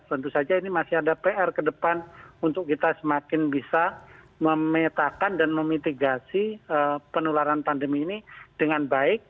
tentu saja ini masih ada pr ke depan untuk kita semakin bisa memetakan dan memitigasi penularan pandemi ini dengan baik